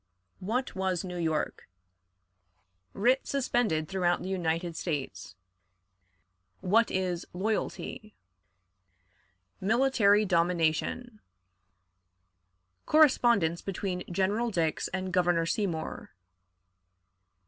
What was New York? Writ suspended throughout the United States. What is "Loyalty"? Military Domination. Correspondence between General Dix and Governor Seymour.